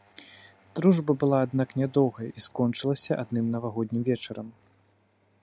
Дружба была, аднак, нядоўгай і скончылася адным навагоднім вечарам.